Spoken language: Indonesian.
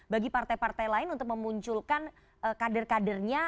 bagi partai partai lain untuk memunculkan kader kadernya